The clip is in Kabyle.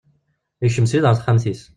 Yekcem srid ɣer texxamt-is.